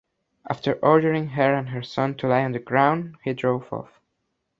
After ordering her and her son to lie on the ground, he drove off.